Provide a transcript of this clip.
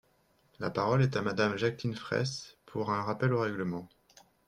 La parole est à Madame Jacqueline Fraysse, pour un rappel au règlement.